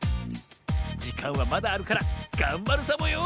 じかんはまだあるからがんばるサボよ